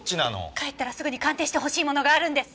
帰ったらすぐに鑑定してほしいものがあるんです。